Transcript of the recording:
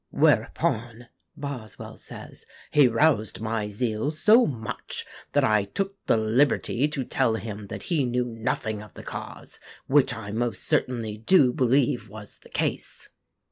"Whereupon," Boswell says, "he roused my zeal so much that I took the liberty to tell him that he knew nothing of the cause, which I most seriously do believe was the case."